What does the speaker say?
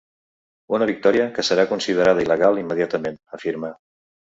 Una victòria que serà considerada il·legal immediatament, afirma.